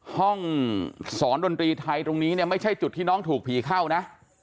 ห้องสอนดนตรีไทยตรงนี้เนี่ยไม่ใช่จุดที่น้องถูกผีเข้านะ